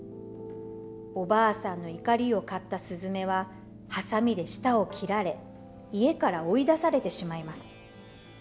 おばあさんの怒りを買ったすずめははさみで舌を切られ家から追い出されてしまいます。